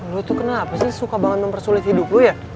lu tuh kenapa sih suka banget mempersulit hidup lo ya